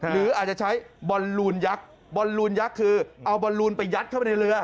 หรืออาจจะใช้บอลลูนยักษ์บอลลูนยักษ์คือเอาบอลลูนไปยัดเข้าไปในเรือ